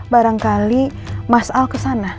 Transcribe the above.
barangkali mas al kesana